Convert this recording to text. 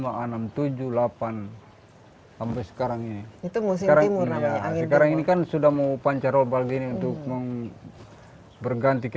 hai sampai sekarang itu musim tunnels karena ini kan sudah mau pancar obal gini untuk memperganti ke